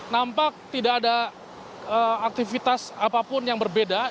nampak tidak ada aktivitas apapun yang berbeda